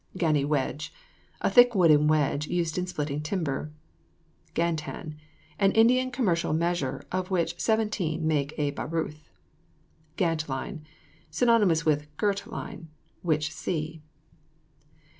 GANNY WEDGE. A thick wooden wedge, used in splitting timber. GANTAN. An Indian commercial measure, of which 17 make a baruth. GANT LINE. Synonymous with girt line (which see).